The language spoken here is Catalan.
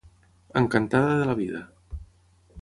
Encantada de la vida.